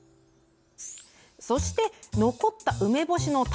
そして残った梅干しの種。